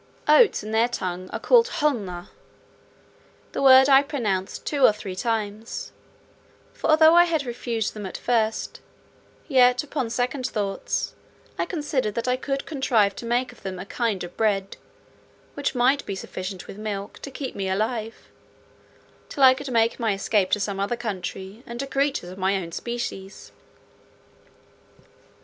Oats in their tongue are called hlunnh. This word I pronounced two or three times; for although I had refused them at first, yet, upon second thoughts, I considered that I could contrive to make of them a kind of bread, which might be sufficient, with milk, to keep me alive, till I could make my escape to some other country, and to creatures of my own species.